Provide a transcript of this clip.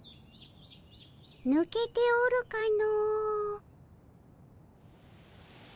ぬけておるかの。